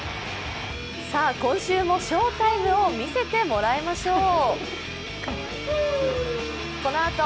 今週も翔タイムを見せてもらいましょう。